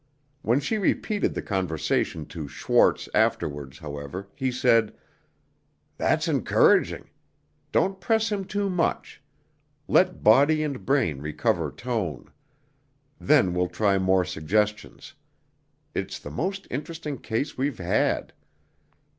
When she repeated the conversation to Schwarz afterwards, however, he said, "That's encouraging. Don't press him too much. Let body and brain recover tone. Then we'll try more suggestions. It's the most interesting case we've had.